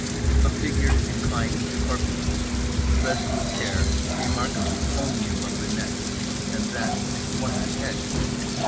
A figure inclined to corpulence, dressed with care, remarkable only above the neck—and then what a head!